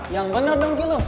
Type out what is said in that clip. yang bener dong ki lo